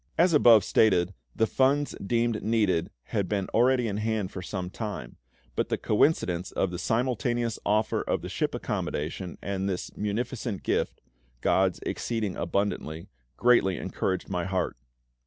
As above stated, the funds deemed needed had been already in hand for some time; but the coincidence of the simultaneous offer of the ship accommodation and this munificent gift GOD'S "exceeding abundantly" greatly encouraged my heart.